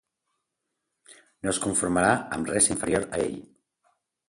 No es conformarà amb res inferior a ell.